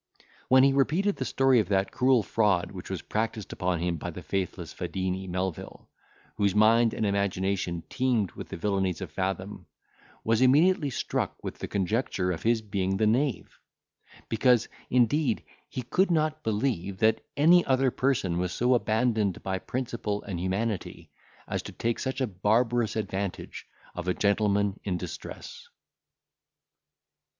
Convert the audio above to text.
When he repeated the story of that cruel fraud which was practised upon him by the faithless Fadini, Melvil, whose mind and imagination teemed with the villanies of Fathom, was immediately struck with the conjecture of his being the knave; because, indeed, he could not believe that any other person was so abandoned by principle and humanity as to take such a barbarous advantage of a gentleman in distress.